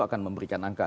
akan memberikan angka